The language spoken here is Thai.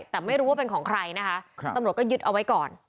แต่ไม่รู้ว่าเป็นของใครนะคะตำรวจก็ยึดเอาไว้ก่อน